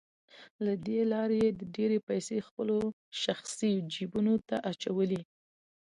له دې لارې يې ډېرې پيسې خپلو شخصي جيبونو ته اچولې.